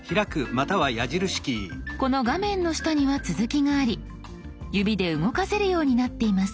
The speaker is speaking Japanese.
この画面の下には続きがあり指で動かせるようになっています。